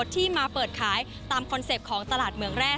ที่มาเปิดขายตามคอนเซ็ปต์ของตลาดเมืองแรก